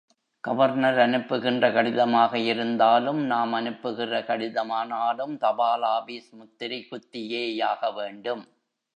Governor அனுப்புகின்ற கடிதமாக இருந்தாலும், நாம் அனுப்புகிற கடிதமானாலும் தபாலாபீஸ் முத்திரை குத்தியே யாக வேண்டும்.